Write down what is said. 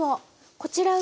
こちらは。